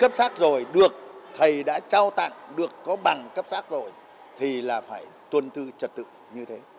cấp sắc rồi được thầy đã trao tặng được có bằng cấp sắc rồi thì là phải tuân tư trật tự như thế